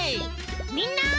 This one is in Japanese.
みんな。